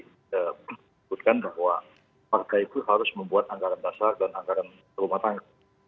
kita mengatakan bahwa partai itu harus membuat anggaran dasar dan anggaran rumah tangga